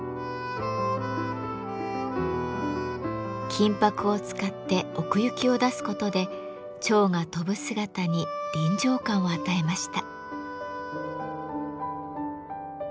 金箔を使って奥行きを出すことで蝶が飛ぶ姿に臨場感を与えました。